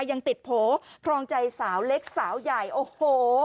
ยังติดโผล่ครองใจสาวเล็กสาวใหญ่โอ้โห